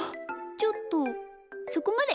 ちょっとそこまで。